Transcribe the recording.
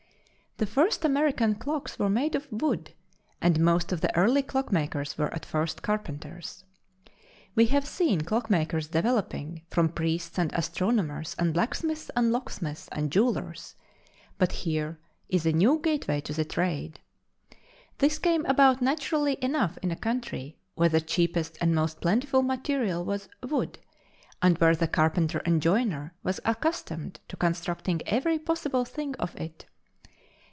The first American clocks were made of wood, and most of the early clockmakers were at first carpenters. We have seen clockmakers developing from priests and astronomers and blacksmiths and locksmiths and jewelers; but here is a new gateway to the trade. This came about naturally enough in a country where the cheapest and most plentiful material was wood, and where the carpenter and joiner was accustomed to constructing every possible thing of it.